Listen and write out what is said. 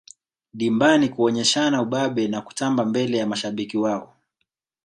dimbani kuoneshana ubabe na kutamba mbele ya mashabiki wao